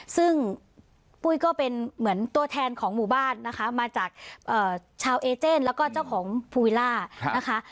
ซึ่งปุ้ยก็เป็นเหมือนตัวแทนของหมู่บ้านนะคะมาจากชาวเอเจนแล้วก็เจ้าของภูวิล่านะคะ